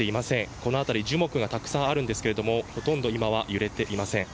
この辺り、樹木がたくさんあるんですけれども、ほとんど今、揺れていません。